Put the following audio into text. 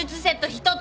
１つ！